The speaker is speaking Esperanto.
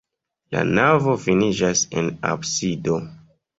La navo finiĝas en absido.